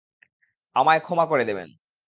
আমায় ক্ষমা করে দেবেন।